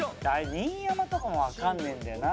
新山とかもわかんねえんだよな。